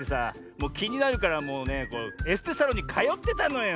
もうきになるからもうねエステサロンにかよってたのよ。